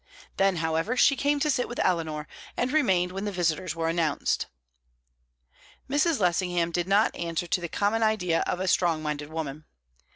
Then, however, she came to sit with Eleanor, and remained when the visitors were announced. Mrs. Lessingham did not answer to the common idea of a strong minded woman.